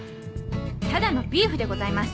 ただのビーフでございます。